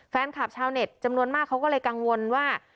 ชาวเน็ตจำนวนมากเขาก็เลยกังวลว่า